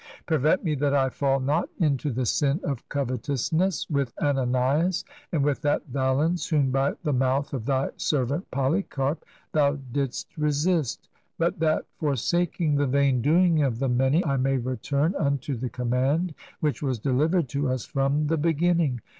Prevent me that I fall not into the sin of covetousness with Ananias and with that Valens whom, by the mouth of Thy servant Polycarp, Thou didst resist ; but that, forsaking the vain doing of the many, I may return unto the command which was delivered to us from the be ginning.